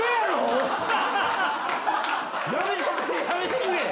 やめてくれやめてくれ。